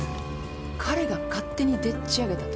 彼が勝手にでっちあげたと？